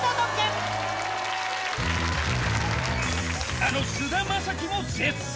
あの菅田将暉も絶賛。